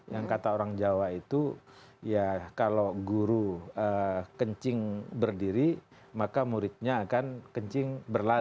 yang kata orang jawa itu ya kalau guru kencing berdiri maka muridnya akan kencing berlatih